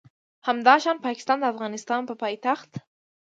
همداشان پاکستان د افغانستان په پایتخت